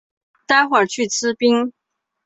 待会去吃冰